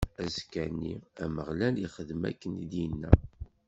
Azekka-nni, Ameɣlal ixdem akken i d-inna.